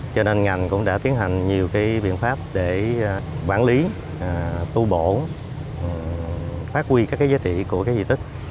cho nên ngành cũng đã tiến hành nhiều biện pháp để quản lý tu bổ phát huy các giá trị của di tích